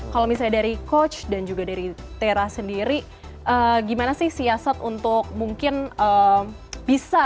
kalau misalnya dari coach dan juga dari tera sendiri gimana sih siasat untuk mungkin bisa